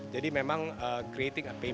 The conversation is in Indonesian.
jadi memang membuat perusahaan